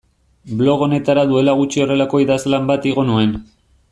Blog honetara duela gutxi horrelako idazlan bat igo nuen.